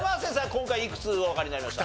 今回いくつおわかりになりました？